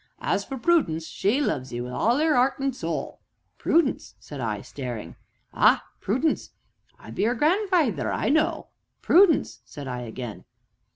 "As for Prudence she loves 'ee wi' all 'er 'eart an' soul!" "Prudence?" said I, staring. "Ah! Prudence I be 'er grandfeyther, an' I know." "Prudence!" said I again.